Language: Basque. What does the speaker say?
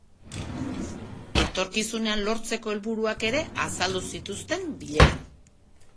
Etorkizunean lortzeko helburuak ere azaldu zituzten bileran.